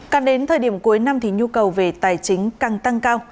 càng đến thời điểm cuối năm thì nhu cầu về tài chính càng tăng cao